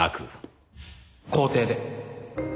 校庭で。